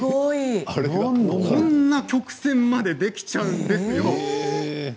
こんな曲線までできちゃうんですよ。